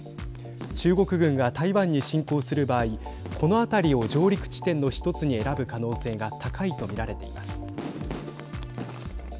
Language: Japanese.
中国軍が台湾に侵攻する場合この辺りを上陸地点の１つに選ぶ可能性が高いと見られています。